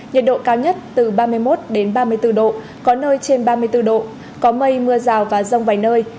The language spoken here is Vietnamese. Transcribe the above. nhiệt độ cao nhất từ ba mươi một ba mươi bốn độ có nơi trên ba mươi bốn độ có mây mưa rào và rông vài nơi